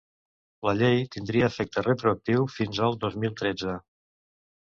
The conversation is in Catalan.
La llei tindria efecte retroactiu fins el dos mil tretze.